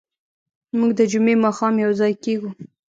موږ د جمعې ماښام یوځای کېږو.